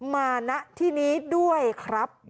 ณที่นี้ด้วยครับ